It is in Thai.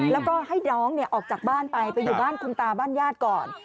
แล้วก็ให้น้องออกจากบ้านไปไปอยู่บ้านคุณตาบ้านญาติก่อน